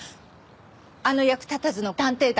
あの役立たずの探偵団